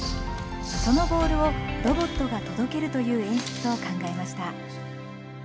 そのボールをロボットが届けるという演出を考えました。